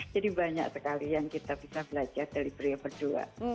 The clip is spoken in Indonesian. jadi banyak sekali yang kita bisa belajar dari beliau berdua